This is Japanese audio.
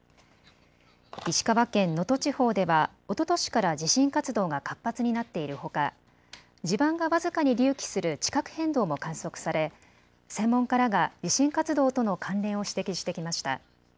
石川県能登地方ではおととしから地震活動が活発になっているほか地盤が僅かに隆起する地殻変動も観測され専門家らが地震活動との関連を指摘してきました。